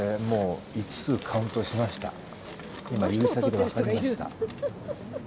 もう５つ、カウントしました。